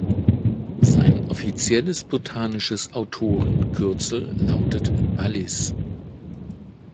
Sein offizielles botanisches Autorenkürzel lautet „Wallis“.